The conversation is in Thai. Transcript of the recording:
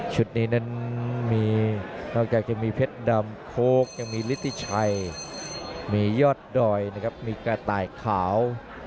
นี้นั้นมีนอกจากจะมีเพชรดำโค้กยังมีฤติชัยมียอดดอยนะครับมีกระต่ายขาว